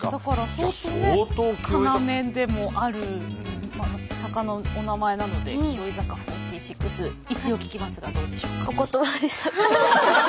要でもある坂のお名前なので紀尾井坂４６一応聞きますがどうでしょうか？